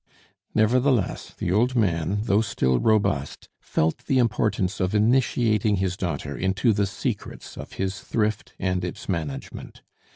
Nevertheless, the old man, though still robust, felt the importance of initiating his daughter into the secrets of his thrift and its management.